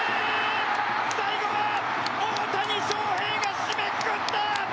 最後は大谷翔平が締めくくった！